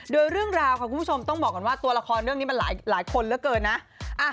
โดยเรื่องราวค่ะคุณผู้ชมต้องบอกก่อนว่าตัวละครเรื่องนี้มันหลายคนเหลือเกินนะ